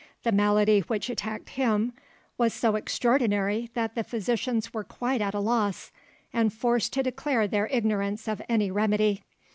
The malady which attacked him was so extraordinary that the physicians were quite at a loss, and forced to declare their ignorance of any remedy.